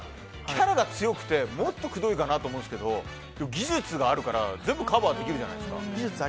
キャラが強くてもっとくどいかなって思ったけど技術があるから全部カバーできるじゃないですか。